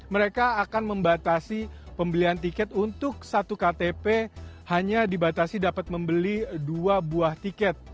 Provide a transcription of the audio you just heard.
mereka akan membatasi pembelian tiket untuk satu ktp hanya dibatasi dapat membeli dua buah tiket